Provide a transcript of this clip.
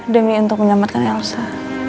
demi untuk menyelamatkan elsa